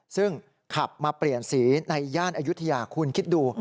ซึ่งขับมาเปลี่ยนสีในย่านอายุทยาคุณคิดดู